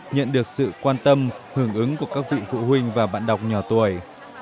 nhận được sự quan tâm hưởng ứng của các vị phụ huynh và bạn đọc nhỏ tuổi